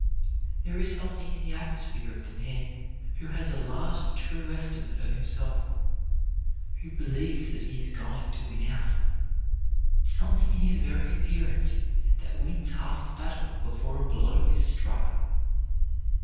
There is something in the atmosphere of the man who has a large and true estimate of himself, who believes that he is going to win out; something in his very appearance that wins half the battle before a blow is struck.